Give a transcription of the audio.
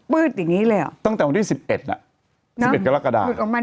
ปื้ดอย่างงี้เลยอ่ะตั้งแต่วันที่สิบเอ็ดน่ะสิบเอ็ดก็ลักษณะหลุดออกมา